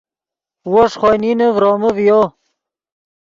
وو ݰے خوئے نینے ڤرومے ڤیو